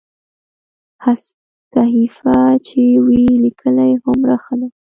صحیفه چې وي لیکلې هومره ښه ده.